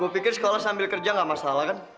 gue pikir sekolah sambil kerja gak masalah kan